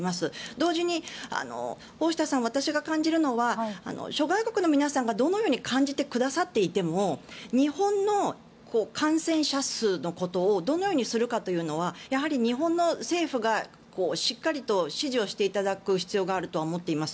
同時に大下さん、私が感じるのは諸外国の皆さんがどのように感じてくださっていても日本の感染者数のことをどのようにするかということはやはり日本の政府がしっかりと指示をしていただく必要があるとは思っています。